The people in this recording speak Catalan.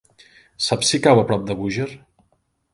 Saps si cau a prop de Búger?